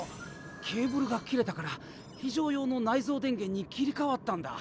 ケーブルが切れたから非常用の内蔵電源に切り替わったんだ。